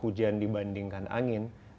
hujan dibandingkan angin